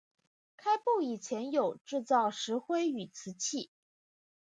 开埠以前有制造石灰与瓷器。